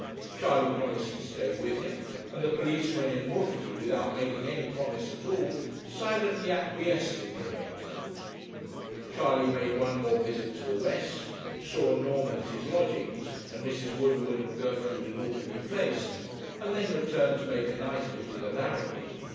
Charley promised to stay with him, and the policeman in mufti, without making any promise at all, silently acquiesced in the arrangement. Charley made one more visit to the West, saw Norman at his lodgings, and Mrs. Woodward and Gertrude in Albany Place, and then returned to make a night of it with Alaric.